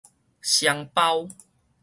雙胞